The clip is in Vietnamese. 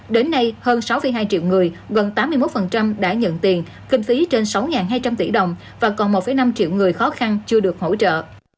đến nay hơn sáu hai triệu người gần tám mươi một đã nhận tiền kinh phí trên sáu hai trăm linh tỷ đồng và còn một năm triệu người khó khăn chưa được hỗ trợ